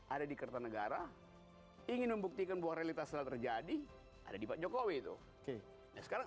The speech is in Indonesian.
ada di kerta negara ingin membuktikan bahwa realitas terjadi ada di pak jokowi itu sekarang